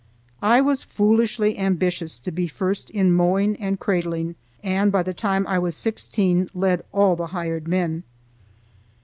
I was foolishly ambitious to be first in mowing and cradling, and by the time I was sixteen led all the hired men.